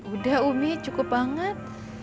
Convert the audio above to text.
udah umi cukup banget